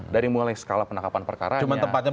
dari mulai skala penangkapan perkara